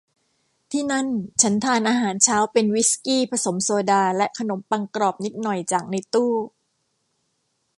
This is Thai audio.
ที่นั่นฉันทานอาหารเช้าเป็นวิสกี้ผสมโซดาและขนมปังกรอบนิดหน่อยจากในตู้